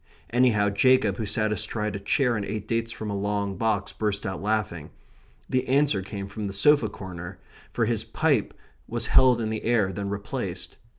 Anyhow, Jacob, who sat astride a chair and ate dates from a long box, burst out laughing. The answer came from the sofa corner; for his pipe was held in the air, then replaced.